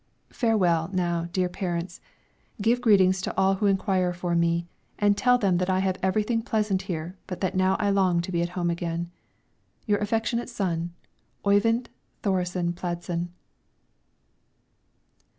Farewell, now, dear parents! Give greetings to all who inquire for me, and tell them that I have everything pleasant here but that now I long to be at home again. Your affectionate son, OYVIND THORESEN PLADSEN.